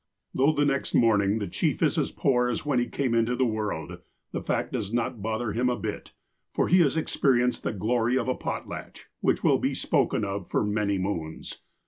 Though the next morning the chief is as poor as when he came into the world, that fact does not bother him a bit, for he has experienced the glory of a potlatch, which will be spoken of for many moons.